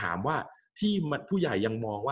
กับการสตรีมเมอร์หรือการทำอะไรอย่างเงี้ย